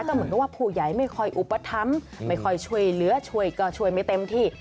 เพราะว่าผู้ใหญ่ไม่ค่อยอุปฏิภัมธ์ไม่ค่อยช่วยเหลือช่วยก็ช่วยไม่เต็มที่